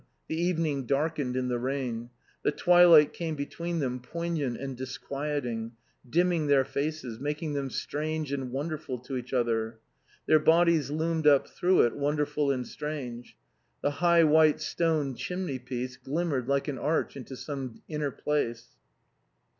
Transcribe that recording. The evening darkened in the rain. The twilight came between them, poignant and disquieting, dimming their faces, making them strange and wonderful to each other. Their bodies loomed up through it, wonderful and strange. The high white stone chimney piece glimmered like an arch into some inner place.